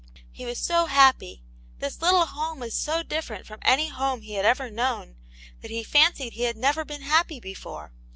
He was so happy ; this little home was so different from any home he had ever known that he fancied he had never been happy before.